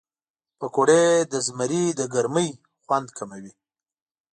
پکورې د زمري د ګرمۍ خوند کموي